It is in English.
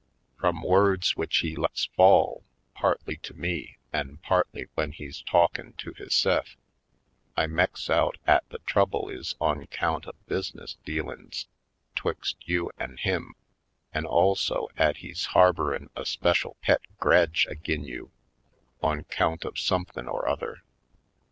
Frum words w'ich he lets fail, partly to me an' partly w'en he's tawk in' to hisse'f, I meks out 'at the trouble is on 'count of bus'ness dealin's 'twixt you an' him, an' also 'at he's harborin' a 'special pet gredge ag'in you on 'count of somethin' or other.